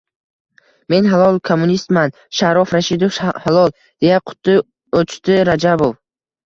— Men... halol kommunistman, Sharof Rashidovich, halol! — deya quti o‘chdi Rajabov.